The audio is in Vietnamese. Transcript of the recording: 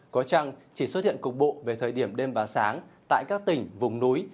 có trăng chỉ xuất hiện cục bộ về thời điểm đêm và sáng tại các tỉnh vùng núi